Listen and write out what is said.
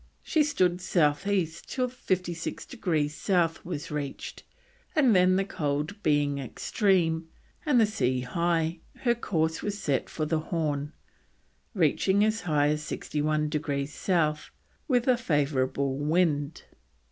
She stood south east till 56 degrees South was reached, and then the cold being extreme and the sea high, her course was set for the Horn, reaching as high as 61 degrees South with a favourable wind.